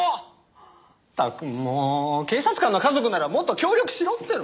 まったくもう警察官の家族ならもっと協力しろっての！